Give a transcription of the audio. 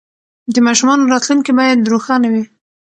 د ماشومانو راتلونکې باید روښانه وي.